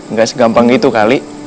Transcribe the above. nggak segampang gitu kali